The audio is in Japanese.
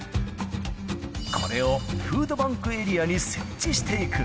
これをフードバンクエリアに設置していく。